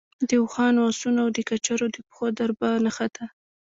د اوښانو، آسونو او د کچرو د پښو دربا نه خته.